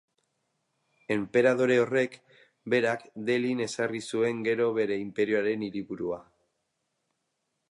Enperadore horrek berak Delhin ezarri zuen gero bere inperioaren hiriburua.